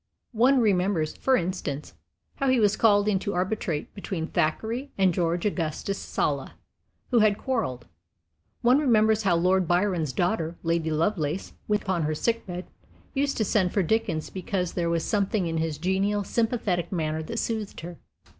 One remembers, for instance, how he was called in to arbitrate between Thackeray and George Augustus Sala, who had quarreled. One remembers how Lord Byron's daughter, Lady Lovelace, when upon her sick bed, used to send for Dickens because there was something in his genial, sympathetic manner that soothed her.